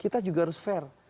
kita juga harus fair